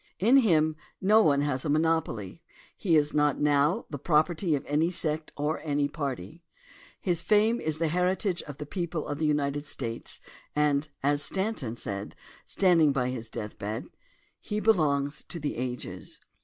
In him no one has a monopoly; he is not now the property of any sect or any party. His fame is the heritage of the people of the United States and, as Stanton said, standing by his deathbed, "He belongs to the ages."